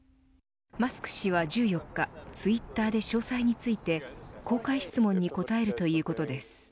マスク氏は１４日ツイッターで詳細について公開質問に答えるということです。